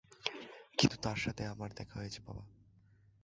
কিন্তু তার সাথে আমার দেখা হয়েছে, বাবা।